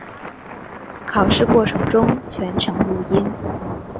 考试过程中全程录音。